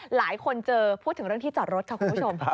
หลายคนเจอพูดถึงเรื่องที่จอดรถค่ะคุณผู้ชม